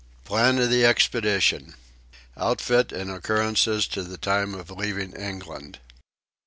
Plan of the Expedition. Outfit and Occurrences to the time of leaving England.